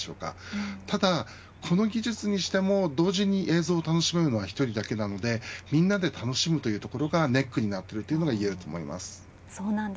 ただ、この技術も同時に映像を楽しめるのは１人だけなのでみんなで楽しむというところがネックになっているとはいえます。